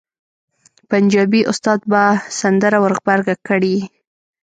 پنجابي استاد به سندره ور غبرګه کړي.